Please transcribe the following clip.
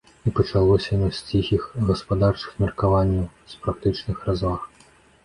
І пачалося яно з ціхіх гаспадарчых меркаванняў, з практычных разваг.